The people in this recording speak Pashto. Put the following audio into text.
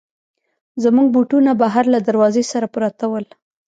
زموږ بوټونه بهر له دروازې سره پراته ول.